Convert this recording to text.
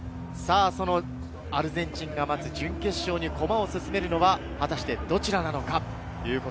そのアルゼンチンが待つ準決勝に駒を進めるのは果たしてどちらなのか？